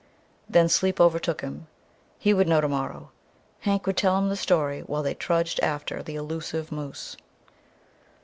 Then sleep overtook him. He would know tomorrow. Hank would tell him the story while they trudged after the elusive moose.